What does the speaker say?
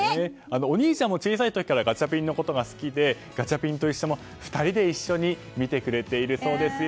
お兄ちゃんも小さい時からガチャピンのことが好きでガチャピンといっしょ！も２人で一緒に見てくれているそうですよ。